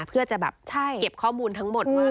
เพื่อจะแบบเก็บข้อมูลทั้งหมดว่า